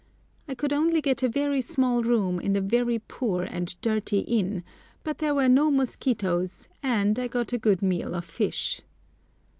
I could only get a very small room in a very poor and dirty inn, but there were no mosquitoes, and I got a good meal of fish.